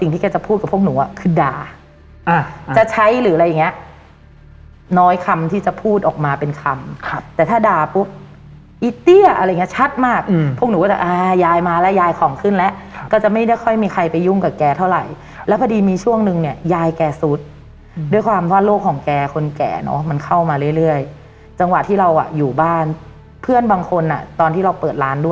ที่แกจะพูดกับพวกหนูอ่ะคือด่าจะใช้หรืออะไรอย่างเงี้ยน้อยคำที่จะพูดออกมาเป็นคำครับแต่ถ้าด่าปุ๊บอีเตี้ยอะไรอย่างเงี้ชัดมากพวกหนูก็จะอ่ายายมาแล้วยายของขึ้นแล้วก็จะไม่ได้ค่อยมีใครไปยุ่งกับแกเท่าไหร่แล้วพอดีมีช่วงนึงเนี่ยยายแกสุดด้วยความว่าโลกของแกคนแก่เนอะมันเข้ามาเรื่อยจังหวะที่เราอ่ะอยู่บ้านเพื่อนบางคนอ่ะตอนที่เราเปิดร้านด้วย